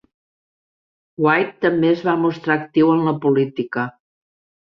White també es va mostrar actiu en la política.